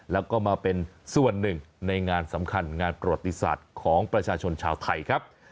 แล้วก็มาเป็นส่วนหนึ่งในงานสำคัญงานประวัติศาสตร์ของประชาชนชาวไทยครับ